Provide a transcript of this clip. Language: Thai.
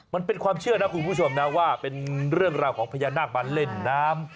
มันเป็นความเชื่อนะคุณผู้ชมนะว่าเป็นเรื่องราวของพญานาคมาเล่นน้ำ